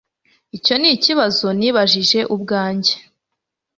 icyo nikibazo nibajije ubwanjye